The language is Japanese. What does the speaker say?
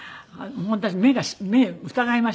私目疑いました。